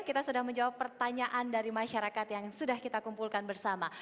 kita sudah menjawab pertanyaan dari masyarakat yang sudah kita kumpulkan bersama